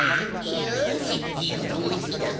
よしいいことおもいついたぞ！